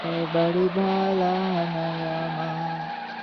এটা এক জন নিঃসঙ্গ মানুষের জন্যে কম কথা নয়।